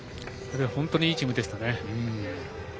本当にいいチームでしたね。